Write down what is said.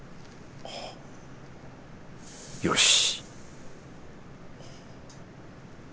よし